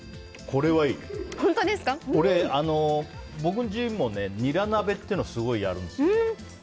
これ、僕ん家もニラ鍋っていうのすごいやるんですよ。